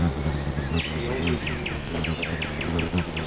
The old regime was dying.